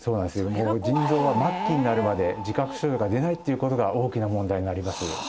もう腎臓は末期になるまで自覚症状が出ないっていうことが大きな問題になりますうわ